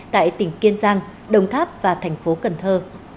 tại tỉnh kiên giang đồng tháp và thành phố cần thơ